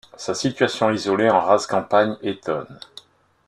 Sa situation isolée en rase campagne étonne.